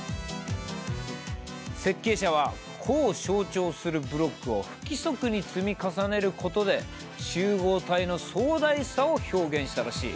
設計者は個を象徴するブロックを不規則に積み重ねることで集合体の壮大さを表現したらしい。